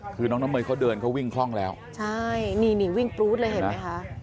คือน้องน้ำเมยเขาเดินเขาวิ่งคล่องแล้วใช่นี่นี่วิ่งปรู๊ดเลยเห็นไหมคะ